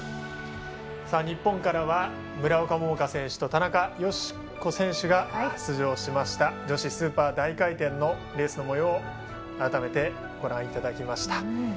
日本からは村岡桃佳選手と田中佳子選手が出場しました女子スーパー大回転のレースのもようを改めてご覧いただきました。